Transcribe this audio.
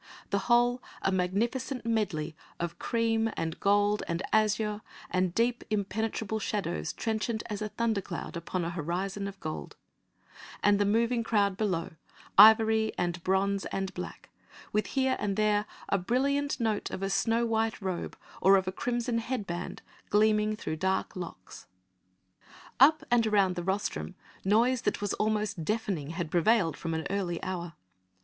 The whole, a magnificent medley of cream and gold and azure, and deep impenetrable shadows trenchant as a thunder cloud upon an horizon of gold, and the moving crowd below, ivory and bronze and black, with here and there the brilliant note of a snow white robe or of crimson head band gleaming through dark locks. Up and around the rostrum, noise that was almost deafening had prevailed from an early hour.